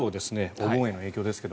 お盆への影響ですが。